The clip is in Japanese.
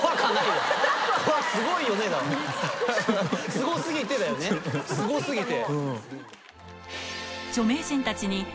「すご過ぎて」だよねすご過ぎて。